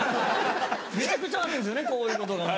めちゃくちゃあるんですよねこういうことが。